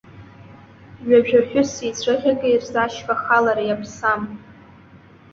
Ҩажәа ҳәыси цәаӷьыки рзы ашьха ахалара иаԥсам!